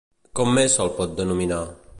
Com més se'l pot denominar?